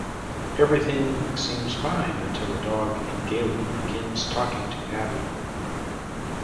Everything seems fine until a dog in Galen begins talking to Abbey.